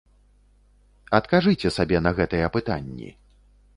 Адкажыце сабе на гэтыя пытанні.